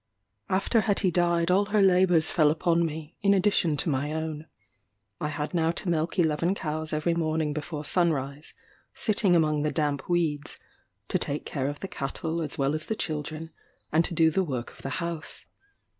After Hetty died all her labours fell upon me, in addition to my own. I had now to milk eleven cows every morning before sunrise, sitting among the damp weeds; to take care of the cattle as well as the children; and to do the work of the house.